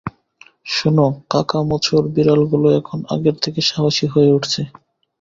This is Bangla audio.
শোনো, কাকামুচোর বিড়াল গুলো এখন আগের থেকে সাহসী হয়ে উঠেছে।